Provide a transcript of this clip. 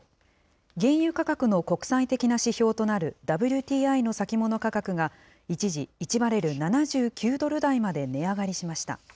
原油価格の国際的な指標となるＷＴＩの先物価格が一時、１バレル７９ドル台まで値上がりしました。